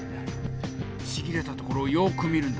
ちぎれたところをよく見るんだ。